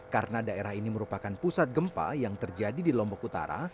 karena daerah ini merupakan pusat gempa yang terjadi di lombok utara